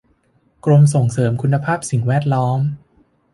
กรมส่งเสริมคุณภาพสิ่งแวดล้อม